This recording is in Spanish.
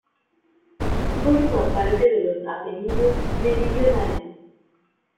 Forma parte de los Apeninos meridionales.